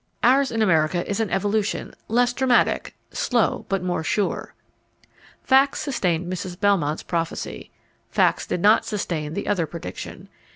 Ours in America is an evolution less dramatic, slow but more sure." Facts sustained Mrs. Belmont's prophecy. Facts did not sustain the other prediction.